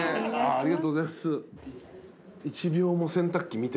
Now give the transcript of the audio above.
ありがとうございます。